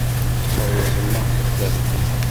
Reẓmeɣ-t.